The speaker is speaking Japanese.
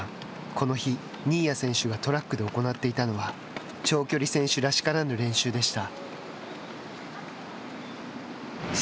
この日、新谷選手がトラックで行っていたのは長距離選手らしからぬ練習でした。